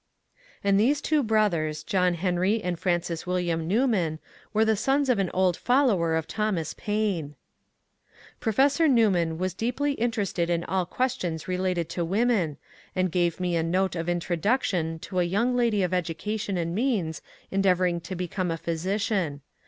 And those two brothers, John Henry and Francis William Newman, were the sons of an old follower of Thomas Paine ! Professor Newman was deeply interested in all questions related to women, and gave me a note of introduction to a young lady of education and means endeavouring to become a physician.